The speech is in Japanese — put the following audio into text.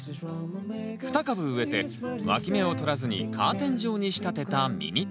２株植えてわき芽を取らずにカーテン状に仕立てたミニトマト。